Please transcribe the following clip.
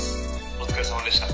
お疲れさまでした」。